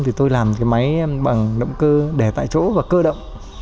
thì tôi làm cái máy bằng động cơ để tại chỗ và cơ động